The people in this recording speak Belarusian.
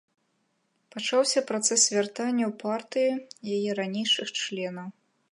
Пачаўся працэс вяртання ў партыю яе ранейшых членаў.